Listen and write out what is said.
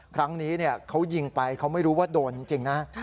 ครั้งนี้เขายิงไปเขาไม่รู้ว่าโดนจริงนะ